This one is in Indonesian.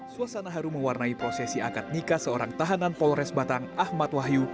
suasana haru mewarnai prosesi akad nikah seorang tahanan polres batang ahmad wahyu